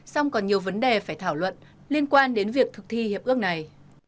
song còn nhiều vấn đề phải thảo luận liên quan đến việc thực thi hiệp ước này